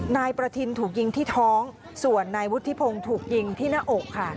นายประทินถูกยิงที่ท้องส่วนนายวุฒิพงศ์ถูกยิงที่หน้าอกค่ะ